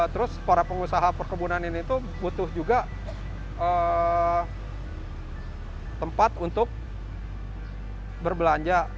terus para pengusaha perkebunan ini tuh butuh juga tempat untuk berbelanja